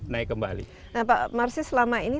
naik kembali nah pak marsis selama ini